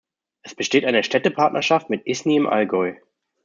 Es besteht eine Städtepartnerschaft mit Isny im Allgäu.